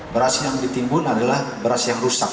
beras yang ditimbun adalah beras yang rusak